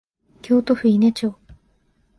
京都府伊根町